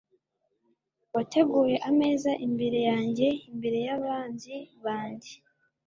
wateguye ameza imbere yanjye imbere y'abanzi banjye